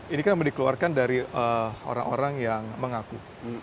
ini kan yang dikeluarkan dari orang orang yang mengaku